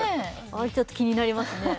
あれちょっと気になりますね